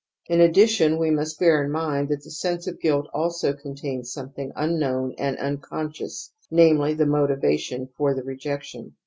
) In addition we must bear in mind that the sense of guilt also contains something imknown and imconscious, namely the motiva tion for the rejection.